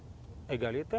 dari sisi regulasi kita punya